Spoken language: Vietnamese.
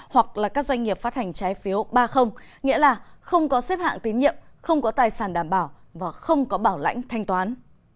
hoặc là các doanh nghiệp phát hành trái phiếu ba nghĩa là không có xếp hạng tín nhiệm không có tài sản đảm bảo và không có bảo lãnh thanh toán